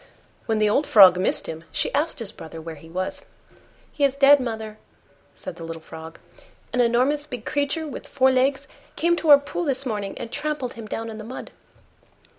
When the old Frog missed him, she asked his brother where he was. "He is dead, mother," said the little Frog; "an enormous big creature with four legs came to our pool this morning and trampled him down in the mud."